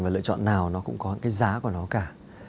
và lựa chọn nào nó cũng có cái giá của nó cả